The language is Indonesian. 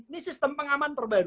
ini sistem pengaman terbaru